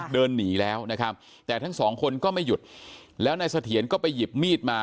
เดินหนีแล้วนะครับแต่ทั้งสองคนก็ไม่หยุดแล้วนายเสถียรก็ไปหยิบมีดมา